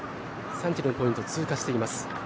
３キロのポイント通過しています。